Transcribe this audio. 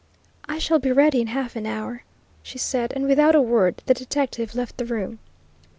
"I shall be ready in half an hour," she said, and without a word the detective left the room.